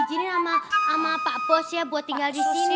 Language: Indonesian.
nijinin sama pak bos ya buat tinggal disini